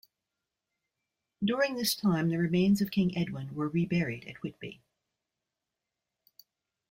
During this time, the remains of King Edwin were reburied at Whitby.